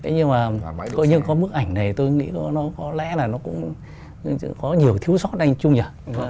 nhưng mà có những bức ảnh này tôi nghĩ có lẽ là nó cũng có nhiều thiếu sót anh chung nhỉ